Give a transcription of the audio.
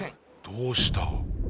どうした？